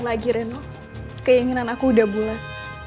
lagi reno keinginan aku udah bulat